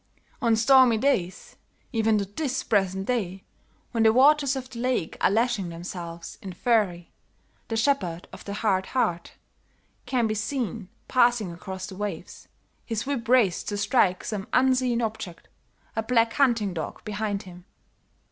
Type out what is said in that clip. "On stormy days, even to this present day, when the waters of the lake are lashing themselves in fury, the shepherd of the hard heart can be seen passing across the waves, his whip raised to strike some unseen object, a black hunting dog behind him.